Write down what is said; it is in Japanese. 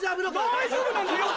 大丈夫なんだよ。